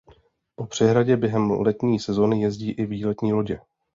Po přehradě během letní sezóny jezdí i výletní lodě.